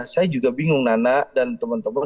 saya juga bingung nana dan teman teman